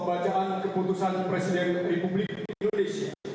bacaan keputusan presiden republik indonesia